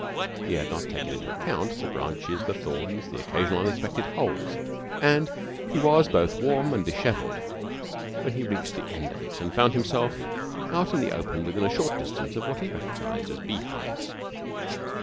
He had not taken into account the branches, the thorns, the occasional unexpected holes, and he was both warm and dishevelled when he reached the end of it and found himself out in the open within a short distance of what he recognized as beehives.